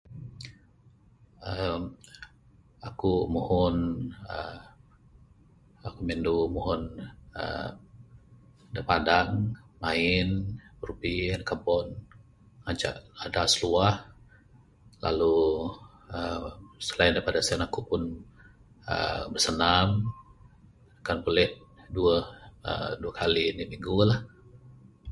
emm aku mohon aaa [unintelligible] mohon aaa da padang, main brubi neg kabon ngancak adas luah lalu. aaa selain daripada sien aku pun aaa bersenam kan buleh duweh kali indi minggu lah.